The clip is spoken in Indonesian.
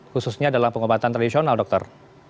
khususnya dalam pengobatan tradisional dokter